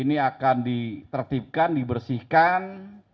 ini akan ditertibkan dibersihkan